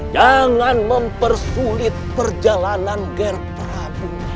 jangan mempersulit perjalanan nger prabu